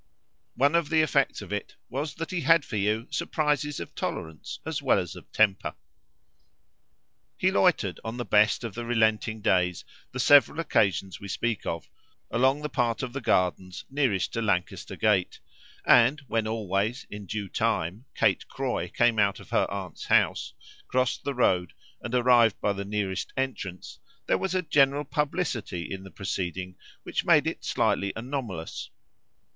One of the effects of it was that he had for you surprises of tolerance as well as of temper. He loitered, on the best of the relenting days, the several occasions we speak of, along the part of the Gardens nearest to Lancaster Gate, and when, always, in due time, Kate Croy came out of her aunt's house, crossed the road and arrived by the nearest entrance, there was a general publicity in the proceeding which made it slightly anomalous.